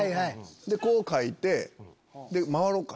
でこう書いてで回ろうか。